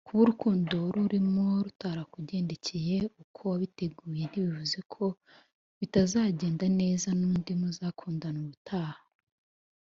Kuba urukundo wari urimo rutarakugendekeye uko wabiteguye ntibivuze ko bitazagenda neza n’undi muzakundana ubutaha